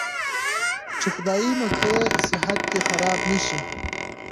چې خدايه مکې صحت دې خراب نه شي.